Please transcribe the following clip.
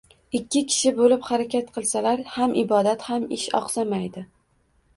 Ikki kishi bo'lib harakat qilsalar ham ibodat, ham ish oqsamaydi.